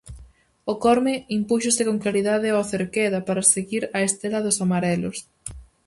O Corme impúxose con claridade ó Cerqueda para seguir a Estela dos amarelos.